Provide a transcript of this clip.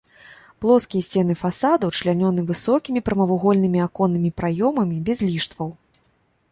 Плоскія сцены фасадаў члянёны высокімі прамавугольнымі аконнымі праёмамі без ліштваў.